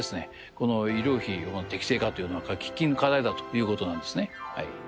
この医療費の適正化というのは喫緊の課題だという事なんですね。